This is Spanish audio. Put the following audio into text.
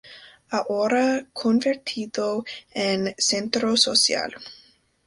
Ahora convertido en Centro Social.